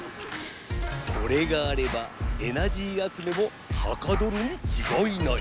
これがあればエナジーあつめもはかどるにちがいない！